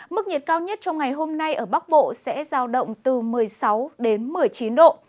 mức nhiệt cao nhất trong ngày hôm nay ở bắc bộ sẽ giao động từ một mươi sáu đến một mươi chín độ